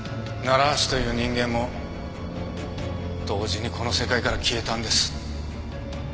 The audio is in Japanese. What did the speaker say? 楢橋という人間も同時にこの世界から消えたんです。